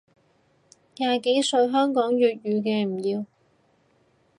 廿幾歲香港粵語嘅唔要